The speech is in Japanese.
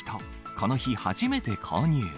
この日初めて購入。